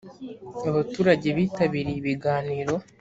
abaturage bitabiriye ibiganiro